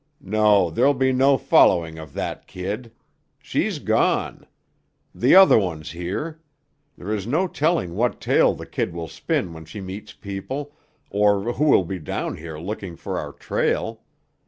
No; there'll be no following of that kid. She's gone. The other one's here. There is no telling what tale the kid will spin when she meets people, or who will be down here looking for our trail.